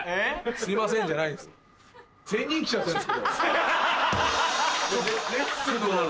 「すいません！」じゃないんです。ハハハ！